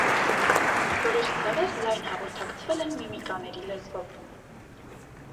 Որոշ ցեղեր լայն հաղորդակցվել են «միմիկաների լեզվով»։